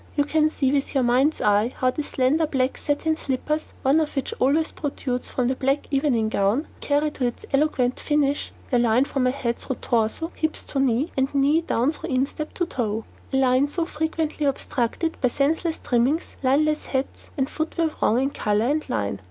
You can see with your mind's eye how the slender black satin slippers, one of which always protrudes from the black evening gown, carry to its eloquent finish the line from her head through torso, hip to knee, and knee down through instep to toe, a line so frequently obstructed by senseless trimmings, lineless hats, and footwear wrong in colour and line.